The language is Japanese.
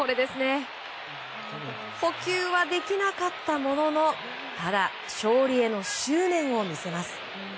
捕球はできなかったものの勝利への執念を見せます。